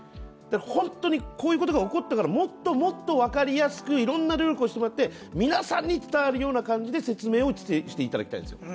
本当にこういうことが起こってからもっともっと分かりやすくいろんな努力をしてもらって皆さんに伝わるような感じで説明をしていただきたいですよ。